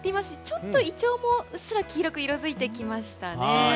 ちょっとイチョウもうっすら黄色く色づいてきましたね。